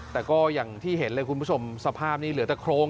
แต่ก็อย่างที่เห็นเลยคุณผู้ชมสภาพนี้เหลือแต่โครง